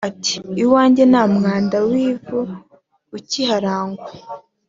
Ati “Iwanjye nta mwanda w’ivu ukiharangwa